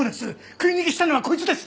食い逃げしたのはこいつです！